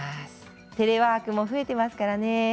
テレワークも増えていますからね